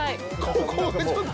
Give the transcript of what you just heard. ここがちょっと。